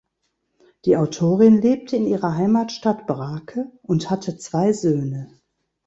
Die Autorin lebte in ihrer Heimatstadt Brake und hatte zwei Söhne.